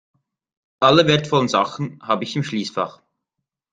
Alle wertvollen Sachen habe ich im Schließfach.